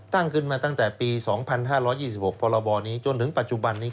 ตั้งขึ้นมาตั้งแต่ปี๒๕๒๖พรบนี้จนถึงปัจจุบันนี้